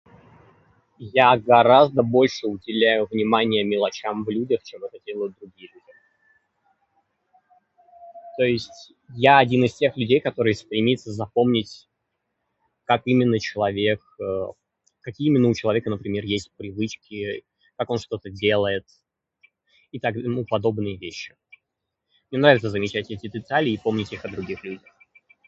Я гораздо больше уделяю внимания мелочам в людях, чем это делают другие люди. То есть я один из тех людей, который стремится запомнить как именно человек, какие именно у человека, например, есть привычки, как он что-то делает и так да- и тому подобные вещи. Мне нравится замечать эти детали и помнить их о других людях.